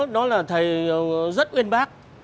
đó là thầy rất nguyên bác